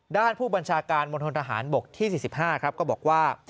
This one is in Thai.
ด้านผู้บัญชาการมณฑนทหารบกที่๔๕ครับก็บอกว่า